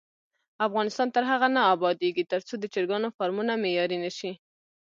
افغانستان تر هغو نه ابادیږي، ترڅو د چرګانو فارمونه معیاري نشي.